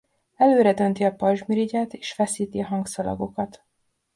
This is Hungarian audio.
Előre dönti a pajzsmirigyet és feszíti a hangszalagokat.